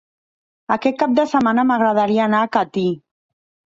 Aquest cap de setmana m'agradaria anar a Catí.